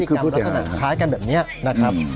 ซึ่งพฤติกรรมลักษณะคล้ายกันแบบนี้นะครับ